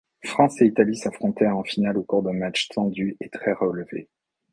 France et Italie s'affrontèrent en finale au cours d'un match tendu et très relevé.